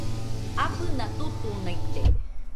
Abɨna tutunaite